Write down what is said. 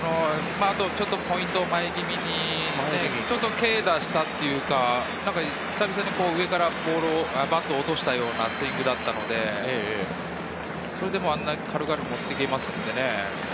あとちょっとポイントを前気味に軽打したというか、久々に上からバットを落としたようなスイングだったので、それでもあんな軽々持っていけますのでね。